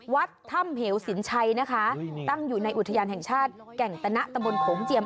วัดถ้ำเหวสินชัยนะคะตั้งอยู่ในอุทยานแห่งชาติแก่งตนะตะบนโขงเจียม